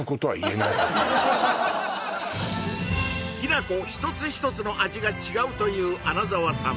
きな粉一つ一つの味が違うという穴沢さん